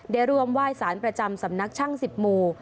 ได้รวมว่ายสารประจำสำนักช่างสิบหมู่